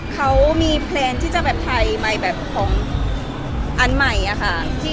เขามีแพลนที่จะแบบถ่ายใหม่แบบของอันใหม่อะค่ะ